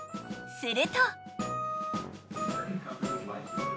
すると。